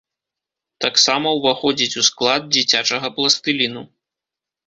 Таксама ўваходзіць у склад дзіцячага пластыліну.